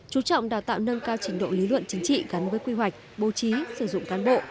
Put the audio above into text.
chú trọng đào tạo nâng cao trình độ lý luận chính trị gắn với quy hoạch bố trí sử dụng cán bộ